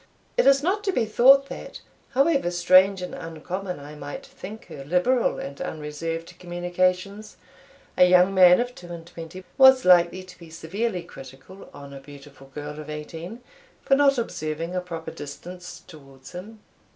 It is not to be thought that, however strange and uncommon I might think her liberal and unreserved communications, a young man of two and twenty was likely to be severely critical on a beautiful girl of eighteen, for not observing a proper distance towards him.